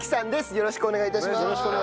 よろしくお願いします！